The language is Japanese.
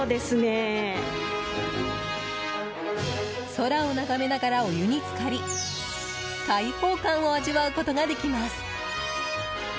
空を眺めながらお湯に浸かり開放感を味わうことができます。